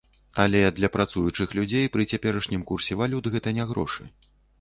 Але для працуючых людзей пры цяперашнім курсе валют гэта не грошы.